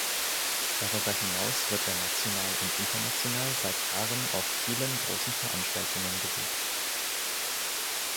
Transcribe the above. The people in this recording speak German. Darüber hinaus wird er national und international seit Jahren auf vielen großen Veranstaltungen gebucht.